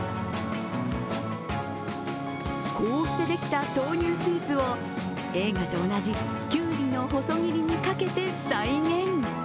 こうしてできた豆乳スープを映画と同じキュウリの細切りにかけて、再現。